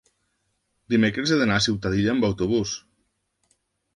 dimecres he d'anar a Ciutadilla amb autobús.